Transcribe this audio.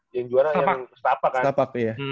yang juara yang setapa kan